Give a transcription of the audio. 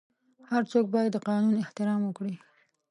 هر څوک باید د قانون احترام وکړي.